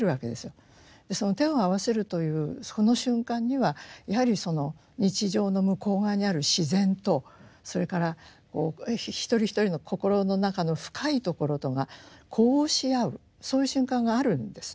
その手を合わせるというその瞬間にはやはりその日常の向こう側にある自然とそれから一人一人の心の中の深いところとが呼応し合うそういう瞬間があるんですね。